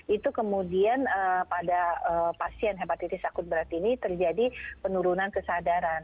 itu kemudian pada pasien hepatitis akut berat ini terjadi penurunan kesadaran